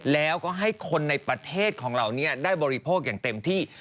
แล้วก็ให้คนในประเทศของเราได้บริโภคอย่างเต็มที่